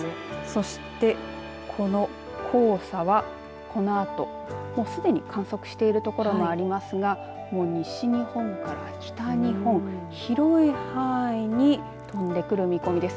そしてこの黄砂はこのあとすでに観測している所もありますがもう西日本から北日本広い範囲に飛んでくる見込みです。